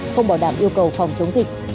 không bỏ đảm yêu cầu phòng chống dịch